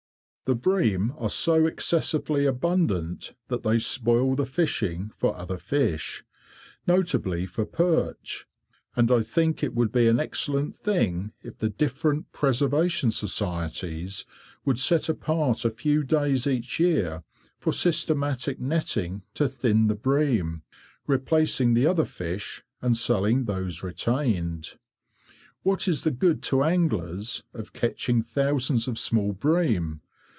The bream are so excessively abundant that they spoil the fishing for other fish, notably for perch, and I think it would be an excellent thing if the different preservation societies would set apart a few days each year for systematic netting to thin the bream, replacing the other fish, and selling those retained. What is the good to anglers of catching thousands of small bream?